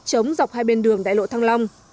giống dọc hai bên đường đại lộ thăng long